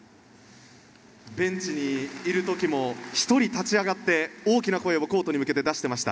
ベンチにいる時も１人、立ち上がって大きな声をコートに向けて出していました。